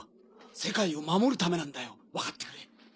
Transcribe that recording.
世界を守るためなんだよ分かってくれ。